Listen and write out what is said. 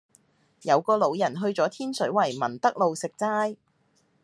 有個老人去左天水圍民德路食齋